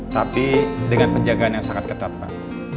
tapi dengan penjagaan yang sangat ketat pak